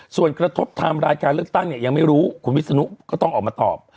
ส่วนกระทบไทม์รายการเลือกตั้งเนี่ยยังไม่รู้คุณวิศนุก็ต้องออกมาตอบ